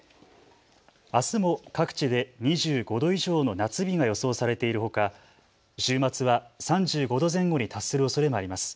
あすも各地で２５度以上の夏日が予想されているほか週末は３５度前後に達するおそれもあります。